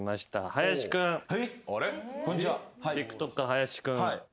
ＴｉｋＴｏｋｅｒ林君。